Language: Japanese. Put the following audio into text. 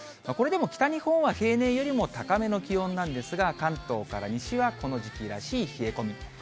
これでも北日本は平年よりも高めの気温なんですが、関東から西は、この時期らしい冷え込み。